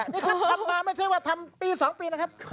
นี่ครับทำมาไม่ใช่ว่าทำปี๒ปีนะครับ